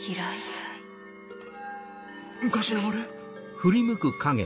昔の俺？